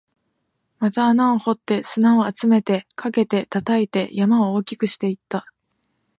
また穴を掘って、砂を集めて、かけて、叩いて、山を大きくしていった